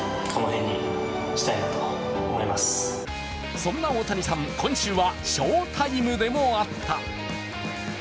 そんな大谷さん、今週は賞タイムでもあった。